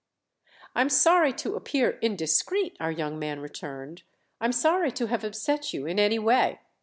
"I'm sorry to appear indiscreet," our young man returned; "I'm sorry to have upset you in any way.